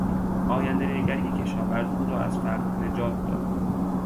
آیندهنگری کشاورز او را از فقر نجات داد.